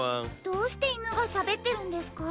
どうして犬がしゃべってるんですか？